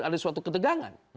ada suatu ketegangan